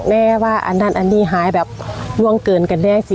แม่ว่าอันนั้นอันนี้หายแบบร่วงเกินกันแน่สิ